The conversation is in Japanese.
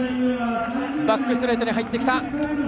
バックストレートに入ってきた。